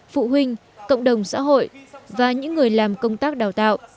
phụ huynh cộng đồng xã hội và những người làm công tác đào tạo